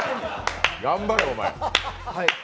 頑張れお前。